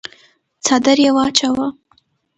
څادر يې واچاوه.